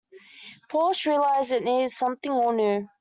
Porsche realized it needed something all-new.